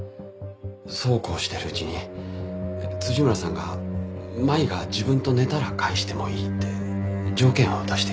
そうこうしているうちに村さんが舞が自分と寝たら返してもいいって条件を出してきました。